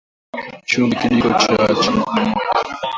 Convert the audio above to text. Chumvi Kijiko cha chakula moja